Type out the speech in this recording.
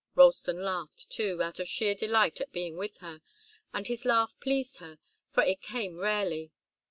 Ralston laughed, too, out of sheer delight at being with her, and his laugh pleased her, for it came rarely.